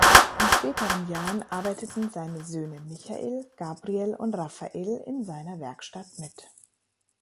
In späteren Jahren arbeiteten seine Söhne Michael, Gabriel und Raphael in seiner Werkstatt mit.